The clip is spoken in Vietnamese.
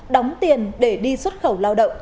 đóng tiền để đi xuất khẩu lao động